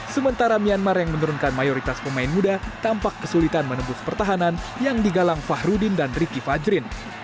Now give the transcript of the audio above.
sementara myanmar yang menurunkan mayoritas pemain muda tampak kesulitan menembus pertahanan yang digalang fahrudin dan riki fajrin